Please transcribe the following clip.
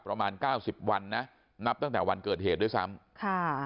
ประมาณ๙๐วันนะนับตั้งแต่วันเกิดเหตุด้วยซ้ำ